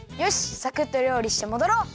サクッとりょうりしてもどろう！